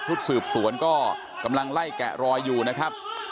ชุดสืบสวนก็กำลังไล่แกะรอยอยู่นะครับ